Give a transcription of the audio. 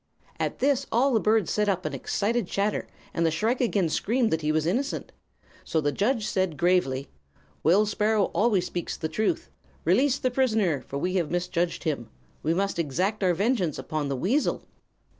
"At this all the birds set up an excited chatter, and the shrike again screamed that he was innocent. So the judge said, gravely: 'Will Sparrow always speaks the truth. Release the prisoner, for we have misjudged him. We must exact our vengeance upon the weasel.'